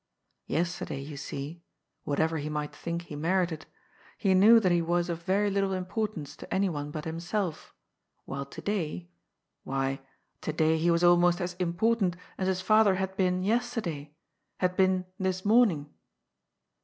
Yesterday, you see — whatever he might think he merited — ^he knew that he was of very little importance to anyone but himself, while to day — ^why, to day he was almost as im portant as his father had been yesterday^ — ^had been this morning.